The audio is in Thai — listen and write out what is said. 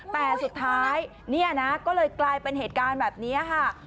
แต่สุดท้ายเนี่ยนะก็เลยกลายเป็นเหตุการณ์แบบนี้ค่ะ